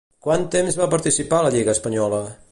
Quant temps va participar a la Lliga espanyola?